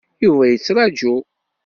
Yuba yettraǧu.